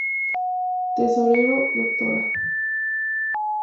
Tesorero: Dra.